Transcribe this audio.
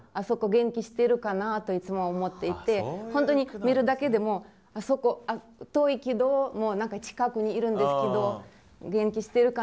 元気してるかな？といつも思っていて本当に見るだけでもあそこ遠いけど何か近くにいるんですけど。